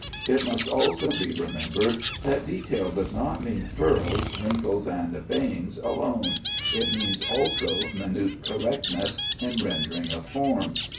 It must also be remembered that detail does not mean furrows, wrinkles, and veins alone; it means also minute correctness in rendering of form.